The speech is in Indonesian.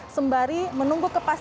sembarang tidak bisa berpikir pikir